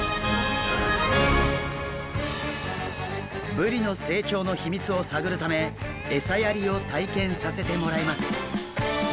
ブリの成長の秘密を探るため餌やりを体験させてもらいます。